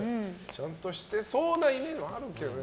ちゃんとしてそうなイメージあるけどな。